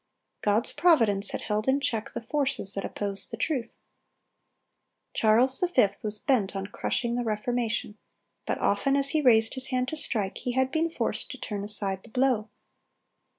God's providence had held in check the forces that opposed the truth. Charles V. was bent on crushing the Reformation, but often as he raised his hand to strike, he had been forced to turn aside the blow.